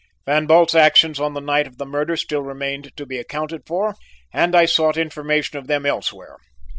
"Van Bult's actions on the night of the murder still remained to be accounted for, and I sought information of them elsewhere.